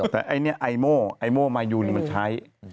แต่ไอเนี่ยไอโมไอโมมายูมันใส่